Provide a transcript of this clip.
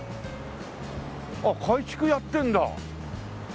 ああ改築やってるんだ。